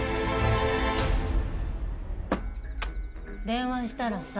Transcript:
電話したらさ